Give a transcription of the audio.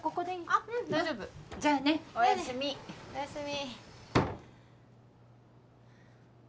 あっうん大丈夫じゃあねおやすみおやすみ